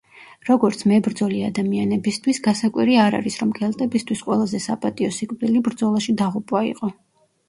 როგორც მებრძოლი ადამიანებისთვის, გასაკვირი არ არის, რომ კელტებისთვის ყველაზე საპატიო სიკვდილი ბრძოლაში დაღუპვა იყო.